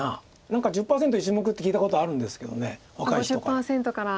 何か「１０％１目」って聞いたことあるんですけど若い人から。